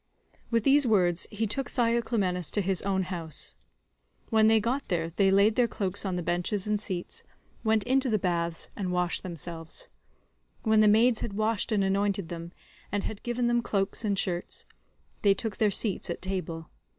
With these words he took Theoclymenus to his own house. When they got there they laid their cloaks on the benches and seats, went into the baths, and washed themselves. When the maids had washed and anointed them, and had given them cloaks and shirts, they took their seats at table.